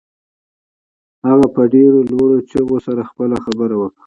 هغې په ډېرو لوړو چيغو سره خپله خبره وکړه.